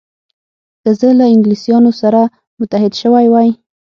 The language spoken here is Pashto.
که زه له انګلیسانو سره متحد شوی وای.